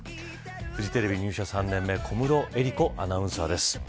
フジテレビ入社３年目小室瑛莉子アナウンサーです。